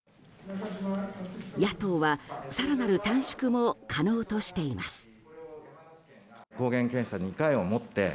野党は、更なる短縮も可能としています。